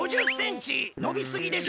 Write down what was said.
のびすぎでしょ。